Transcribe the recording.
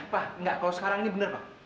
pak enggak kalau sekarang ini benar pak